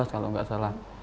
kalau nggak salah